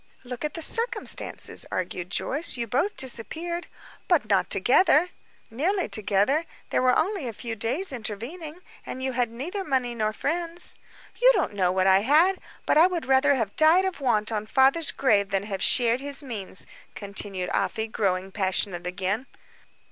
"Look at the circumstances," argued Joyce. "You both disappeared." "But not together." "Nearly together. There were only a few days intervening. And you had neither money nor friends." "You don't know what I had. But I would rather have died of want on father's grave than have shared his means," continued Afy, growing passionate again.